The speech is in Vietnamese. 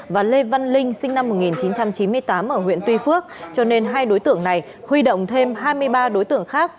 và lê văn linh sinh năm một nghìn chín trăm chín mươi tám ở huyện tuy phước cho nên hai đối tượng này huy động thêm hai mươi ba đối tượng khác